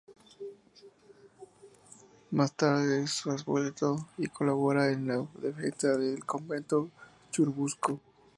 Más tarde es absuelto y colabora en la defensa del Convento de Churubusco.